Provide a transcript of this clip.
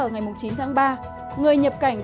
người nhập cảnh vào kênh khai báo điện tử